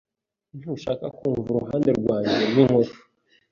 Ntushaka kumva uruhande rwanjye rw'inkuru?